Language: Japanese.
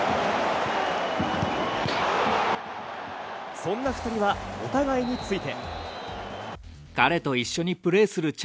そんな２人はお互いについて。